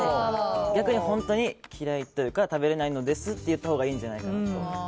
逆に本当に嫌いというか食べられないんですと言っていいんじゃないかなと。